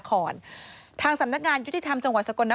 โปรดติดตามต่างกรรมโปรดติดตามต่างกรรม